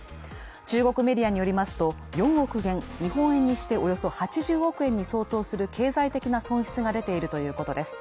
中国メディアによりますと、４億元、日本円にしておよそ８０億円に相当する経済的な損失が出ているということです。